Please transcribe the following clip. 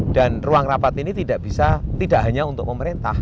dan ruang rapat ini tidak hanya untuk pemerintah